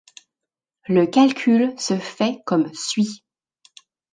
Le calcul se fait comme suit.